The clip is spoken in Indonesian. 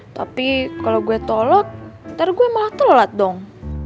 tapi kalo gue tolak ntar gue malah terlalat dong